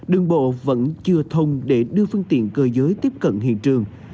đường bộ vẫn chưa thông để đưa phương tiện cơ giới tiếp cận hiện trường